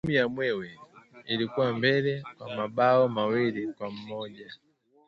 Timu ya Mwewe ilikuwa mbele kwa mabao mawili kwa moja